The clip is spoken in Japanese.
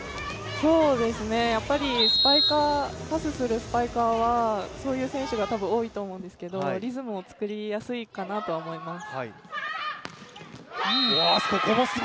そうですね、パスするスパイカーはそういう選手が多いと思うんですけどリズムを作りやすいかなとは思います。